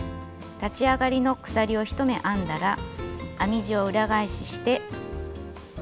立ち上がりの鎖を１目編んだら編み地を裏返しして。